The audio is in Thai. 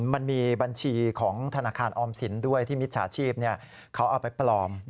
มันมีบัญชีของธนาคารออมสินด้วยที่มิจฉาชีพเขาเอาไปปลอม